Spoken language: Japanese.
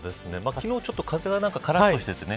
昨日、ちょっと風がからっとしてね。